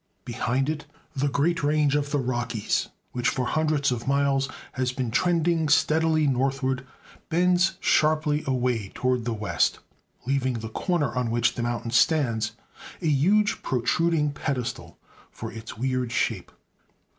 Behind it the great range of the Rockies, which for hundreds of miles has been trending steadily northwood, bends sharply away toward the west, leaving the corner on which the mountain stands a huge protruding pedestal for its weird shape.